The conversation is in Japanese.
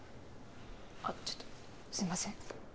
ちょっとすいません。